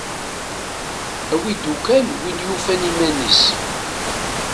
Awi-d ukkan win yufan iman-is.